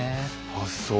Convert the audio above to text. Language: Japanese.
あっそう。